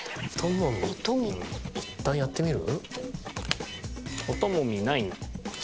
いったんやってみる？